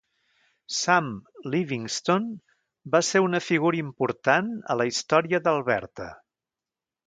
Sam Livingston va ser una figura important a la història d'Alberta.